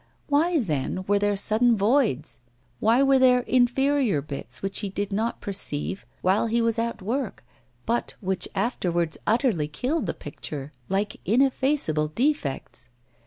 Why, then, were there sudden voids? Why were there inferior bits, which he did not perceive while he was at work, but which afterwards utterly killed the picture like ineffaceable defects?